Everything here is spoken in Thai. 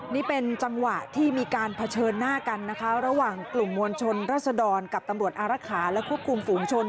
นี่เป็นจังหวะที่มีการเผชิญหน้ากันนะคะระหว่างกลุ่มมวลชนรัศดรกับตำรวจอารักษาและควบคุมฝูงชน